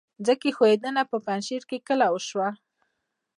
ځمکې ښویدنه په پنجشیر کې کله وشوه؟